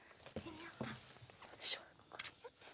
よいしょ。